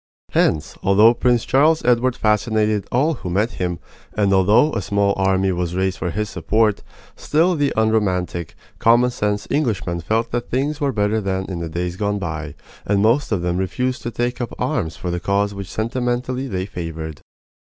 Hence, although Prince Charles Edward fascinated all who met him, and although a small army was raised for his support, still the unromantic, common sense Englishmen felt that things were better than in the days gone by, and most of them refused to take up arms for the cause which sentimentally they favored.